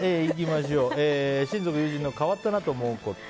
親族・友人の変わったなぁと思ったこと。